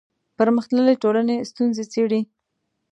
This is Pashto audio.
پرمختللې ټولنې ستونزې څېړي